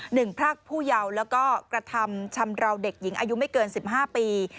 พรากผู้เยาว์แล้วก็กระทำชำราวเด็กหญิงอายุไม่เกินสิบห้าปี